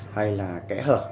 hay là kẽ hở